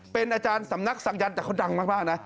เป็นอาจารย์สำนักศักยันต์แต่เขาดังมากนะ